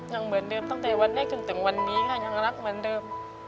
ยังเหมือนเดิมตั้งแต่วันแรกจนถึงวันนี้ค่ะยังรักเหมือนเดิม